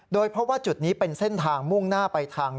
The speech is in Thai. เพราะว่าจุดนี้เป็นเส้นทางมุ่งหน้าไปทาง